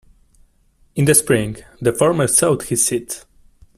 In the spring, the former sowed his seeds.